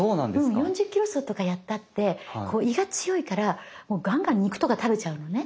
４０ｋｍ走とかやったって胃が強いからガンガン肉とか食べちゃうのね。